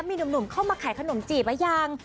มีหนุ่มเข้ามาขายขนมจีบหรือยัง